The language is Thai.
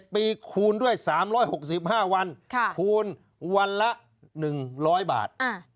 ปีคูณด้วย๓๖๕วันคูณวันละ๑๐๐บาท